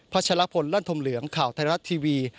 ชะลพลลั่นธมเหลืองข่าวไทยรัฐทีวี